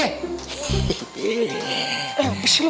eh apa sih lu